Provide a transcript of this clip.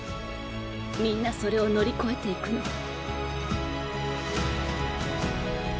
みんなそれを乗り越えていくの。